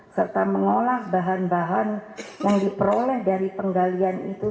serta mengolah bahan bahan yang diperoleh dari penggalian itu